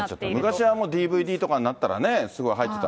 昔はＤＶＤとかになったらね、すごい入ってた。